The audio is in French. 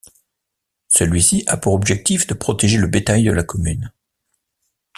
Celui-ci a pour objectif de protéger le bétail de la commune.